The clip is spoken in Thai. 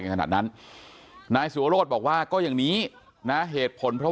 ขนาดนั้นนายสุวรสบอกว่าก็อย่างนี้นะเหตุผลเพราะ